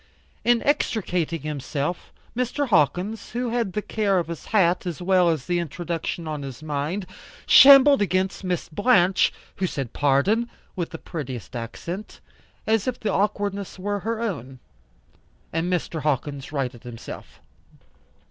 In extricating himself, Mr. Hawkins, who had the care of his hat as well as the introduction on his mind, shambled against Miss Blanche, who said pardon, with the prettiest accent, as if the awkwardness were her own. And Mr. Hawkins righted himself.